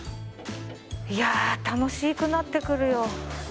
いや楽しくなってくるよ。